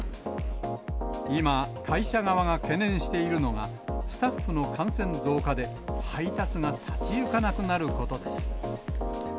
今、会社側が懸念しているのが、スタッフの感染増加で、配達が立ち行かなくなることです。